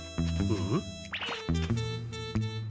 うん？